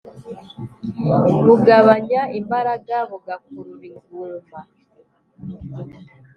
bugabanya imbaraga, bugakurura inguma.